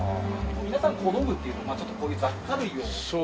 皆さん小道具っていうとちょっとこういう雑貨類を。